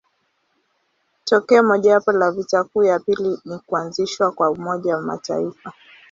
Tokeo mojawapo la vita kuu ya pili ni kuanzishwa kwa Umoja wa Mataifa.